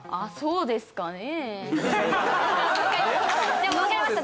でも分かりました